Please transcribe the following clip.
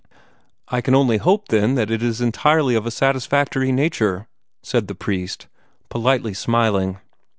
"I can only hope, then, that it is entirely of a satisfactory nature," said the priest, politely smiling.